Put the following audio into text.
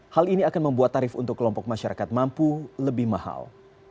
hal ini akan membuat tarif untuk kelompok masyarakat mampu lebih mahal